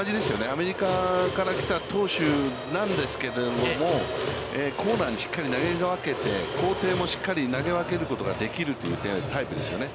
アメリカから来た投手なんですけれども、コーナーにしっかり投げ分けて、高低もしっかり投げ分けることができるというタイプですよね。